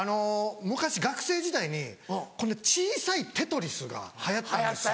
昔学生時代にこんな小さい『テトリス』が流行ったんですよ。